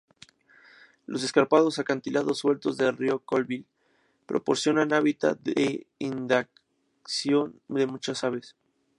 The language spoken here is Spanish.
Los escarpados acantilados, sueltos del río Colville proporcionan hábitat de anidación de muchas aves.